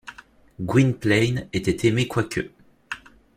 Gwynplaine était aimé quoique!